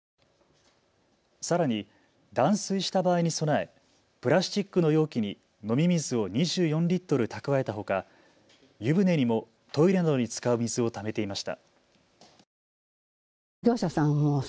さらに断水した場合に備えプラスチックの容器に飲み水を２４リットル蓄えたほか、湯船にもトイレなどに使う水をためていました。